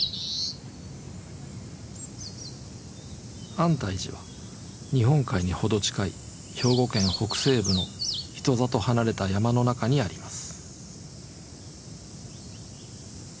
安泰寺は日本海に程近い兵庫県北西部の人里離れた山の中にあります。